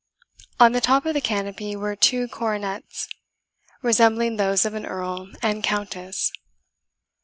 On the top of the canopy were two coronets, resembling those of an earl and countess.